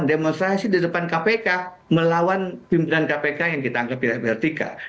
demonstrasi di depan kpk melawan pimpinan kpk yang kita anggap tidak vertika